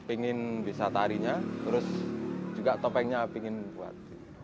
ingin bisa tarinya terus juga topengnya ingin buat